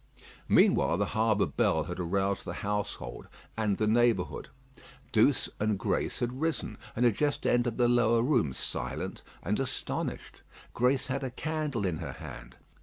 Meanwhile the harbour bell had aroused the household and the neighbourhood. Douce and Grace had risen, and had just entered the lower room, silent and astonished. Grace had a candle in her hand.